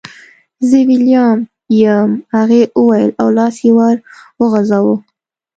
زه ویلما یم هغې وویل او لاس یې ور وغزاوه